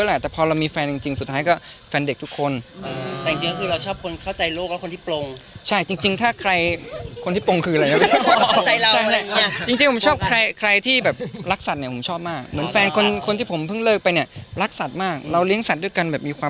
อันนี้ตรงนั้นตรงนี้มีทุกสัตว์ของโลกตอนนี้มาปรึกษาผมว่าแบบว่า